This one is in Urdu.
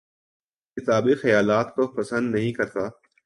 کتابی خیالات کو پسند نہیں کرتا